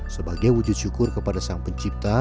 sebagai wujud syukur kepada sang pencipta